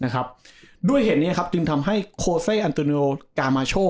นะครับด้วยเหตุเนี้ยครับจึงทำให้โคเซอันตุนิโอกามาโช